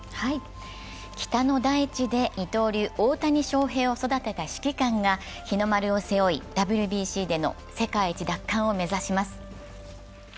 北の大地で二刀流・大谷翔平を育てた指揮官が日の丸を背負いＷＢＣでの世界一奪還を目指します。